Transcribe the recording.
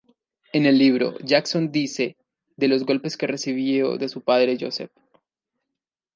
En el libro, Jackson dice, de los golpes que recibió de su padre, Joseph.